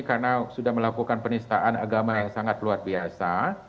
karena sudah melakukan penistaan agama yang sangat luar biasa